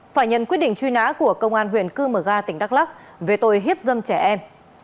phải nhận quyết định truy nã của công an huyện cư mờ ga tỉnh đắk lắc về tội hiếp dâm trẻ em